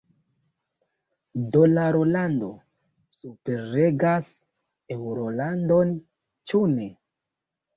Dolarolando superregas eŭrolandon – ĉu ne?